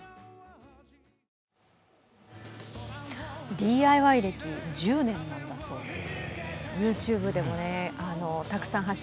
ＤＩＹ歴１０年なんだそうです。